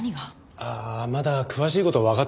ああまだ詳しい事はわかってないんですよ。